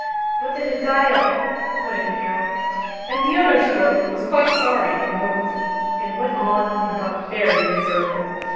("What did it die of?" put in Harold.) "And the other stork was quite sorry, and moped, and went on, and got very miserable.